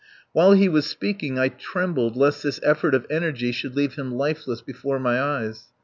While he was speaking I trembled lest this effort of energy should leave him lifeless before my eyes.